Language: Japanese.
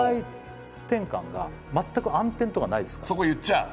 そこ言っちゃう？